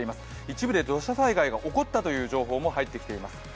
一部で土砂災害が起こったという情報も入ってきています。